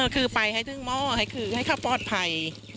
คือไปให้ทึ่งหม้อให้ข้าวปลอดภัย